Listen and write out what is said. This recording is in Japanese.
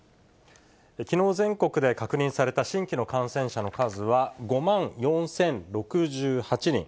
きのう、全国で確認された新規の感染者の数は５万４０６８人。